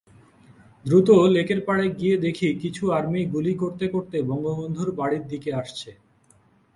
দ্রুত লেকের পাড়ে গিয়ে দেখি কিছু আর্মি গুলি করতে করতে বঙ্গবন্ধুর বাড়ির দিকে আসছে।